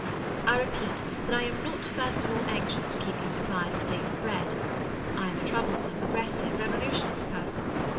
I repeat that I am not first of all anxious to keep you supplied with daily bread. I am a troublesome, aggressive, revolutionary person.